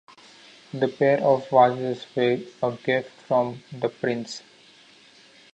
The pair of vases were a gift from the prince.